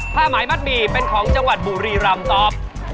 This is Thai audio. ผ้าหมายมัดหมี่เป็นของจังหวัดบุรีรำตอบ